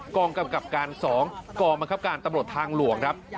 กองกำกับการ๒กองบังคับการตำรวจทางหลวงครับ